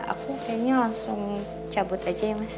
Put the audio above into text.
aku kayaknya langsung cabut aja ya mas